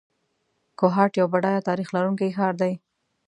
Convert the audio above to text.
کوهاټ یو بډایه تاریخ لرونکی ښار دی.